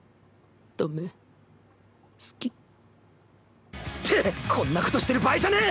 ダメ好き。ってこんなことしてる場合じゃねぇ！